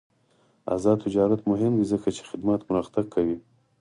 آزاد تجارت مهم دی ځکه چې خدمات پرمختګ کوي.